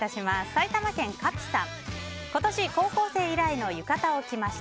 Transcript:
埼玉県の方。